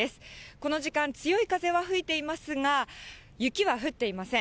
この時間、強い風は吹いていますが、雪は降っていません。